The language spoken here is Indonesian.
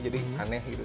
jadi aneh gitu